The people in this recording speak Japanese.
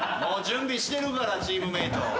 もう準備してるからチームメート。